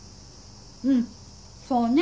うんそうね。